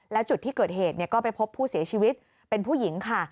และจุดที่เกิดเหตุก็ไปพบผู้เสียชีวิตเป็นผู้หญิงค่ะ